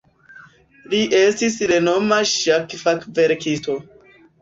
Li estis renoma ŝak-fakverkisto.